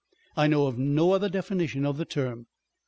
I know of no other definition of the term.